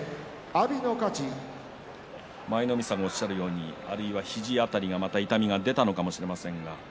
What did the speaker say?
舞の海さんもおっしゃるように阿炎は肘辺りに痛みが出たのかもしれません。